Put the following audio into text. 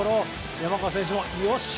山川選手もよっしゃ！